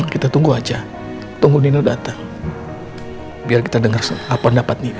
kita tunggu aja tunggu nino datang biar kita denger apa pendapat nino